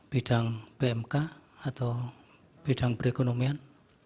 bidang pmk atau bidang perekonomian